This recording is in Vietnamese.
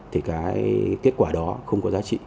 thì cái kết quả đó không có giá trị